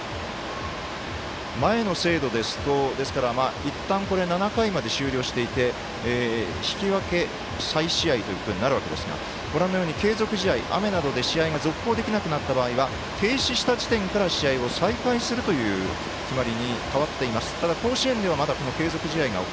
前の制度ですといったん７回まで終了していて引き分け再試合というふうになるわけですがご覧のように継続試合雨などで試合が続行できなくなった場合は停止した地点から試合を再開するということになっています。